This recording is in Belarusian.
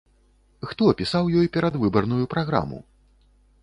Хто пісаў ёй перадвыбарную праграму?